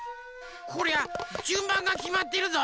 こりゃじゅんばんがきまってるぞ。